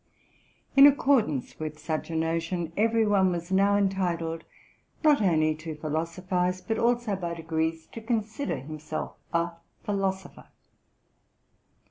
In accordance with such a notion, every one was now en titled, not only to philosophize, but also by degrees to con sider himself a philosopher.